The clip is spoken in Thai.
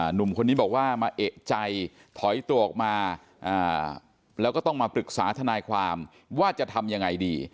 หนุ่มคนนี้บอกว่ามาเอกใจถอยตัวออกมาแล้วก็ต้องมาปรึกษาทนายความว่าจะทำยังไงดี